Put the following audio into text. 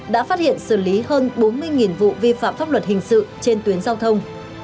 đã phát hiện xử lý hơn bốn mươi vụ vi phạm pháp luật hình sự trên tuyến giao thông